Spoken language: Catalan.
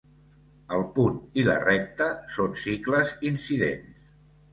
El punt i la recta són cicles incidents.